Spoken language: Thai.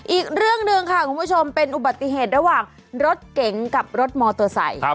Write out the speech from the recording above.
อีกเรื่องหนึ่งค่ะคุณผู้ชมเป็นอุบัติเหตุระหว่างรถเก๋งกับรถมอเตอร์ไซค์